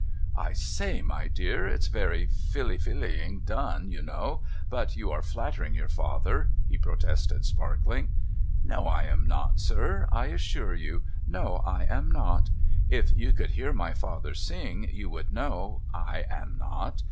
' I say ! My dear ! It's very fillyillially done, you know ; but you are flattering your father,' he protested, sparkling. ' No, I am not, sir, I assure you. No, I am not. If you could hear my father sing, you w'ould know I am not.